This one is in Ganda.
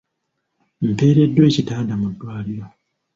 Mpereddwa ekitanda mu ddwaliro.